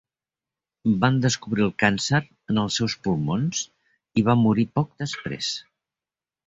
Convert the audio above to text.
Van descobrir el càncer en els seus pulmons i va morir poc després.